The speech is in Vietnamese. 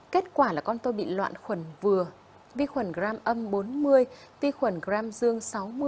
kết quả là con tôi bị loạn thần vừa vi khuẩn gram âm bốn mươi vi khuẩn gram dương sáu mươi